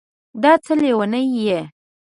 دا څه لېونی یې